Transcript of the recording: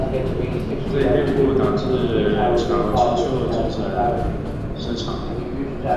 这一变故导致乔清秀精神失常。